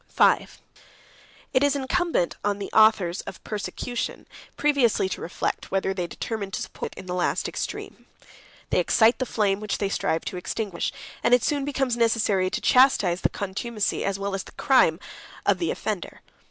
V. It is incumbent on the authors of persecution previously to reflect, whether they are determined to support it in the last extreme. They excite the flame which they strive to extinguish; and it soon becomes necessary to chastise the contumacy, as well as the crime, of the offender.